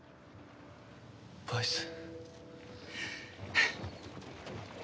バイス。